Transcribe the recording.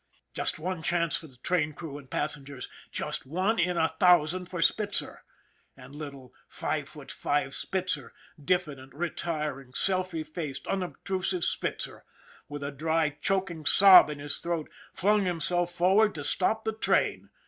Just one chance for the train crew and passengers just one in a thousand for Spiftzer. And little five foot five Spitzer, diffident, retiring, self effaced, unobtrusive Spitzer, with a dry, choking sob in his throat, flung himself forward to stop the train.